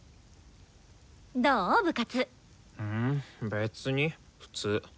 別に普通。